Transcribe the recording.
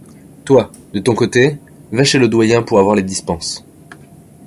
Toi, de ton côté, va chez le doyen pour avoir les dispenses.